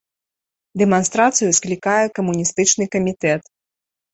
Дэманстрацыю склікае камуністычны камітэт.